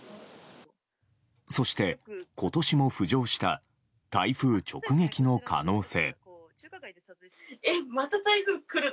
そして今年も浮上した台風直撃の可能性。